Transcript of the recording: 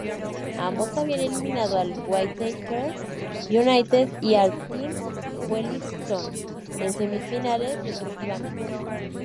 Ambos habían eliminado al Waitakere United y al Team Wellington en semifinales, respectivamente.